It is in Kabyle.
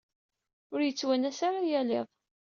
Ur iyi-yettwanas ara yal iḍ.